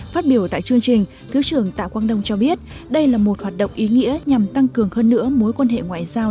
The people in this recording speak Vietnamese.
phát biểu tại chương trình thứ trưởng tạ quang đông cho biết đây là một hoạt động ý nghĩa nhằm tăng cường hơn nữa mối quan hệ ngoại giao